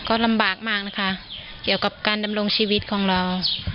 ก็ลำบากมากนะคะเกี่ยวกับการดำรงชีวิตของเรา